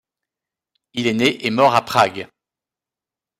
Il est né et mort à Prague.